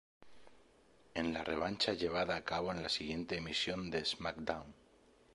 En la revancha llevada a cabo en la siguiente emisión de SmackDown!